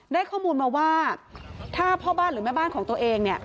ได้ข้อมูลมาว่าถ้าพ่อบ้านหรือแม่บ้านของตัวเองเนี่ย